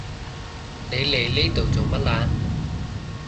你嚟呢度做乜啊？